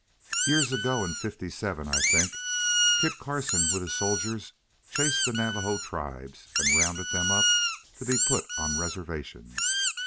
"Years ago, in fifty seven, I think, Kit Carson with his soldiers chased the Navajo tribes and rounded them up to be put on reservations.